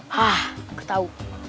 hah aku tau